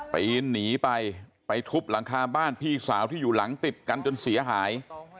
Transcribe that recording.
ปีนหนีไปไปทุบหลังคาบ้านพี่สาวที่อยู่หลังติดกันจนเสียหาย